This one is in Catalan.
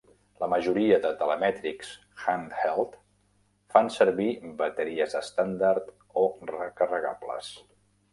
La majoria de telemètrics "handheld" fan servir bateries estàndard o recarregables.